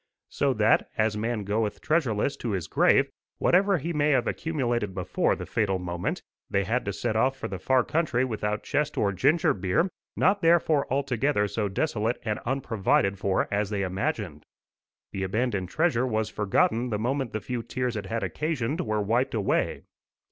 So that, as man goeth treasureless to his grave, whatever he may have accumulated before the fatal moment, they had to set off for the far country without chest or ginger beer not therefore altogether so desolate and unprovided for as they imagined. The abandoned treasure was forgotten the moment the few tears it had occasioned were wiped away.